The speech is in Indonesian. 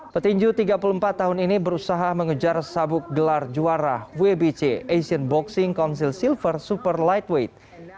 petinju tiga puluh empat tahun ini berusaha mengejar sabuk gelar juara wbc asian boxing council silver super lightweight